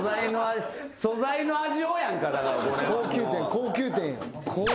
高級店やん。